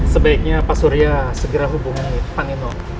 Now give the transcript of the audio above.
sebaiknya pak surya segera hubungi panino